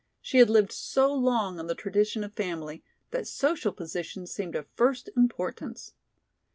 She had lived so long on the tradition of family that social position seemed of first importance.